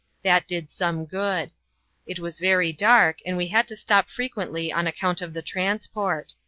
That did some good. It was very dark, and we had to stop frequently on account of the transport.